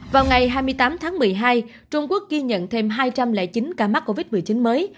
vào ngày hai mươi tám tháng một mươi hai trung quốc ghi nhận thêm hai trăm linh chín ca mắc covid một mươi chín mới